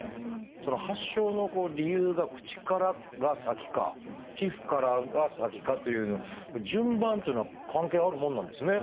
その発症の理由が口からが先か皮膚からが先かという順番というのは関係あるもんなんですね。